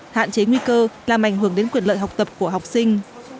hạn chế nguy cơ làm ảnh hưởng đến quyền lợi học tập của học sinh